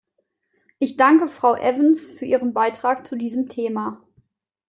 Ich danke Frau Evans für ihren Beitrag zu diesem Thema.